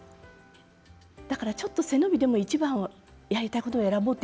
だからちょっと背伸びでも一番やりたいことを選ぼうっていつも思うんですよ。